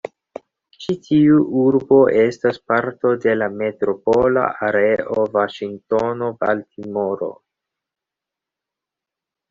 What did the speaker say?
Ĉi-tiu urbo estas parto de la "Metropola Areo Vaŝingtono-Baltimore".